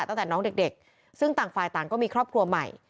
ตั้งแต่น้องเด็กซึ่งต่างฝ่ายต่างก็มีครอบครัวใหม่